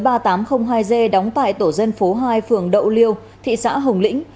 đăng kiểm xe cơ giới ba nghìn tám trăm linh hai g đóng tại tổ dân phố hai phường đậu liêu thị xã hồng lĩnh